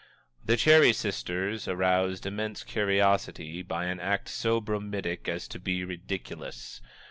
The "Cherry Sisters" aroused immense curiosity by an act so bromidic as to be ridiculous.